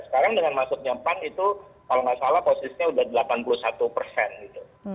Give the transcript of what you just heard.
sekarang dengan masuknya pan itu kalau nggak salah posisinya sudah delapan puluh satu persen gitu